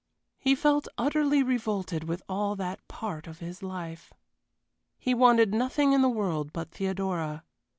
He felt utterly revolted with all that part of his life. He wanted nothing in the world but Theodora.